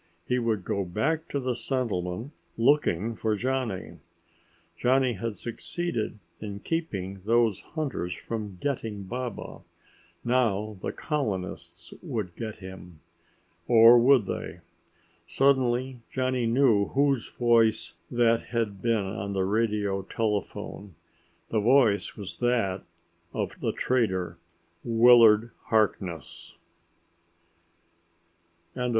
He would go back to the settlement looking for Johnny! Johnny had succeeded in keeping those hunters from getting Baba; now the colonists would get him. Or would they? Suddenly Johnny knew whose voice that had been on the radio telephone. The voice was that of the trader, Willard Harkness!